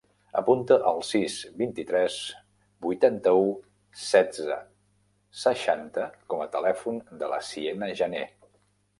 Apunta el sis, vint-i-tres, vuitanta-u, setze, seixanta com a telèfon de la Siena Janer.